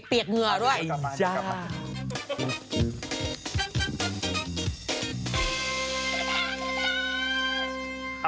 เปียกเหงื่อด้วย